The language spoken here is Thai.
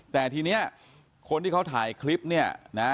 แต่ทีนี้คนที่เขาถ่ายคลิปเนี่ยนะ